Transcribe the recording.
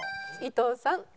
伊藤さん。